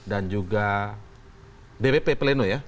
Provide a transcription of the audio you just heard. dan juga dpp pleno ya